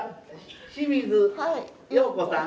清水葉子さん。